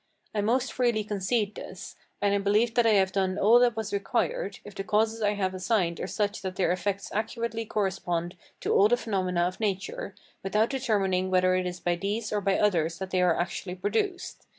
I most freely concede this; and I believe that I have done all that was required, if the causes I have assigned are such that their effects accurately correspond to all the phenomena of nature, without determining whether it is by these or by others that they are actually produced.